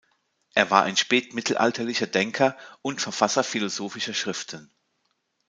Er war ein spätmittelalterlicher Denker und Verfasser philosophischer Schriften.